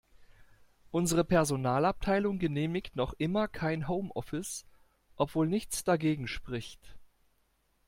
Unsere Personalabteilung genehmigt noch immer kein Home-Office, obwohl nichts dagegen spricht.